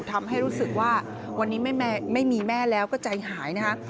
ทำให้รู้สึกว่าวันนี้ไม่มีแม่แล้วก็ใจหายนะคะ